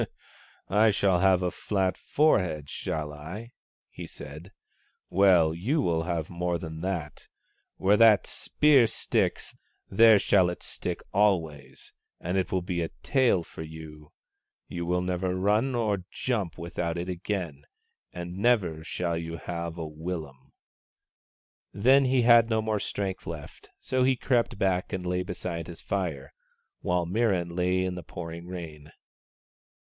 " I shall have a flat forehead, shall I ?" he said. " Well, you will have more than that. Where that spear sticks, there shall it stick always, and it will be a tail for you. You will never run or jump without it again — and never shall you have a willum." Then he had no more strength left, so he crept back and lay beside his fire, while Mirran lay in the pouring rain.